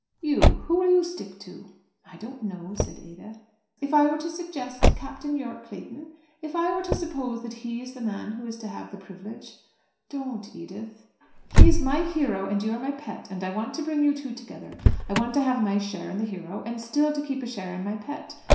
You; who will you stick to?" "I don't know," said Ada. "If I were to suggest Captain Yorke Clayton? If I were to suppose that he is the man who is to have the privilege?" "Don't, Edith." "He is my hero, and you are my pet, and I want to bring you two together. I want to have my share in the hero; and still to keep a share in my pet.